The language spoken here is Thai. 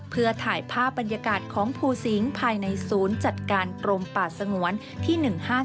เพื่อถ่ายภาพบรรยากาศของภูสิงศ์ภายในศูนย์จัดการกรมป่าสงวนที่๑๕๗